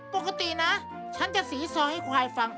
ปกตินะฉันจะสีซอให้ควายฟัง